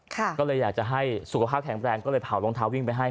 ก็เลยอยากจะให้สุขภาพแข็งแรงก็เลยเผารองเท้าวิ่งไปให้